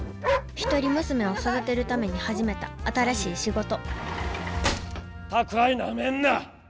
１人娘を育てるために始めた新しい仕事宅配なめんな！